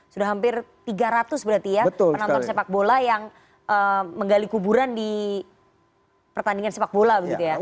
sudah hampir tiga ratus berarti ya penonton sepak bola yang menggali kuburan di pertandingan sepak bola begitu ya